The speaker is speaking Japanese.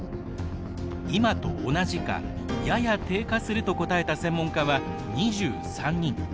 今と同じか、やや低下すると答えた専門家は２３人。